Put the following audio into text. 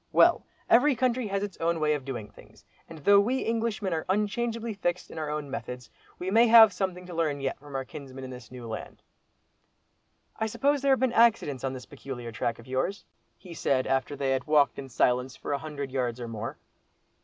Well! every country has its own way of doing things; and though we Englishmen are unchangeably fixed in our own methods, we may have something to learn yet from our kinsmen in this new land." "I suppose there have been accidents on this peculiar track of yours?" he said, after they had walked in silence for a hundred yards or more.